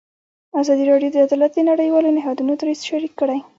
ازادي راډیو د عدالت د نړیوالو نهادونو دریځ شریک کړی.